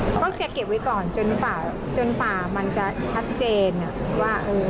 ค่ะก็เอกเก็บไว้ก่อนจนฝามันจะชัดเจนว่า